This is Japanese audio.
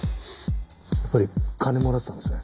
やっぱり金もらってたんですね。